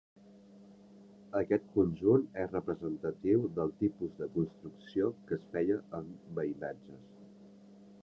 Aquest conjunt és representatiu del tipus de construcció que es feia en veïnatges.